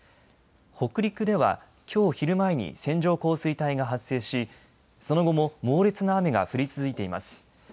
北陸ではきょう昼前に線状降水帯が発生し、その後も猛烈な雨が降り続いています。